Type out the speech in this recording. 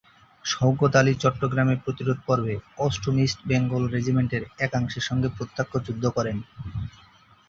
শওকত আলী চট্টগ্রামে প্রতিরোধ পর্বে অষ্টম ইস্ট বেঙ্গল রেজিমেন্টের একাংশের সঙ্গে প্রত্যক্ষ যুদ্ধ করেন।